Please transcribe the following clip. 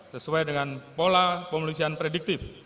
sesuai dengan pola pemeriksaan prediktif